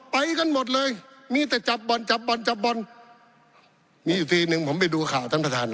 ไปกันหมดเลยมีแต่จับบ่อนจับบ่อนจับบอลมีอยู่ทีหนึ่งผมไปดูข่าวท่านประธาน